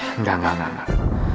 enggak enggak enggak